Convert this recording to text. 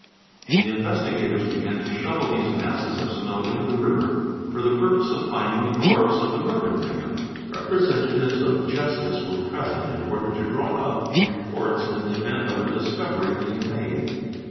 The investigators began to shovel FS these masses of snow into the river for the purpose of finding the corpse of the murdered man. Representatives of Justice were present in order to draw up reports in the event of a discovery being made.